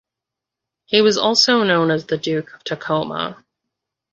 He was also known as the Duke of Tacoma.